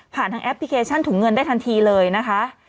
ทางแอปพลิเคชันถุงเงินได้ทันทีเลยนะคะ